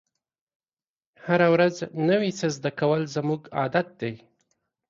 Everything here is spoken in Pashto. هره ورځ نوی څه زده کول زموږ عادت دی.